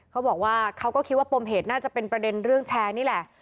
เขาบอกว่าเขาก็คิดว่าปมเหตุน่าจะเป็นประเด็นเรื่องแชร์นี่แหละ